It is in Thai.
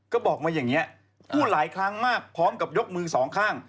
ก็บอกมาอย่างนี้พูดหลายครั้งมากพร้อมกับยกมือสองข้าง